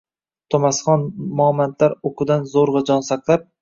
To’masxon momandlar o’qidan zo’rg’a jon saqlab